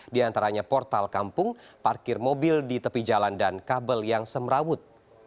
di antaranya portal kampung parkir mobil di tepi jalan dan kabel yang semrawut